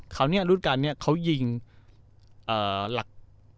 คราวนี้รูปการณ์เขายิง๒หลัก